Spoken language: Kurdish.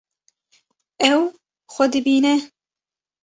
Ew xwe dibîne.